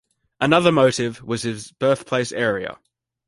Another motive was his birthplace area.